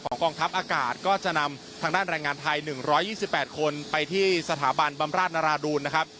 กองทัพอากาศก็จะนำทางด้านแรงงานไทย๑๒๘คนไปที่สถาบันบำราชนราดูนนะครับ